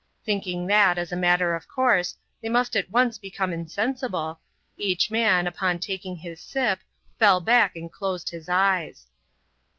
Thinking that, as a matter of course, they must at once become insensible, each man, upon taking his sip, fell back, and closed his eyes.